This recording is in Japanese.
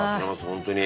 本当に。